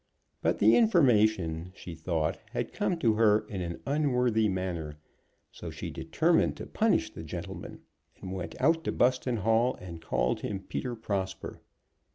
But the information, she thought, had come to her in an unworthy manner. So she determined to punish the gentleman, and went out to Buston Hall and called him Peter Prosper.